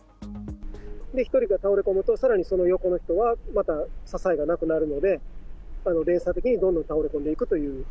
１人が倒れ込むと、さらにその横の人はまた支えがなくなるので、連鎖的にどんどん倒れ込んでいくという。